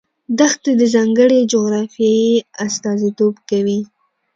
دښتې د ځانګړې جغرافیې استازیتوب کوي.